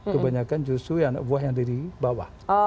kebanyakan justru anak buah yang dibawa